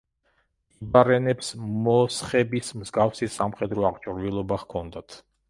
ტიბარენებს მოსხების მსგავსი სამხედრო აღჭურვილობა ჰქონდათ.